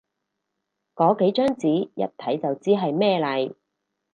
個幾張紙，一睇就知係咩嚟